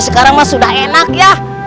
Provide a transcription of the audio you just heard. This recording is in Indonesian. nyiro sekarang sudah enak ya